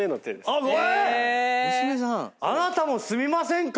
えっ⁉あなたも住みませんか？